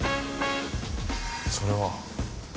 それは。